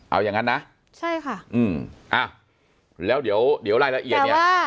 อย่างงั้นนะใช่ค่ะอ่าแล้วเดี๋ยวเอียดเนี่ย